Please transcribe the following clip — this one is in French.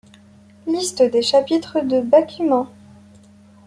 Liste des chapitres de Bakuman.